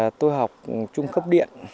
nhưng mà tôi đã học trung cấp điện